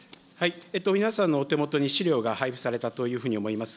皆さんのお手元に資料が配布されたというふうに思います。